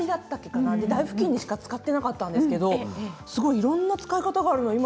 台ふきんにしか使ってなかったんですけどいろんな使い方があるのを今。